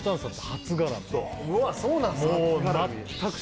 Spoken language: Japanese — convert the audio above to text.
俺らうわっそうなんすか？